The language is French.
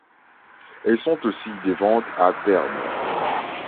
Elles sont aussi des ventes à terme.